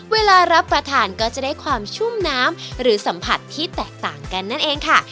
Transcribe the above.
เวลารับประทานก็จะได้ความชุ่มน้ำหรือสัมผัสที่แตกต่างกันนั่นเองค่ะ